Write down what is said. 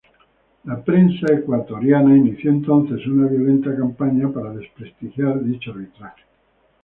La prensa ecuatoriana inició entonces una violenta campaña para desprestigiar dicho arbitraje.